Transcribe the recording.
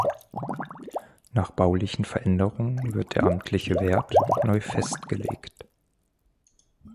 Nach baulichen Veränderungen wird der amtliche Wert neu festgelegt.